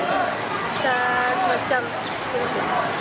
udah dua jam sepuluh menit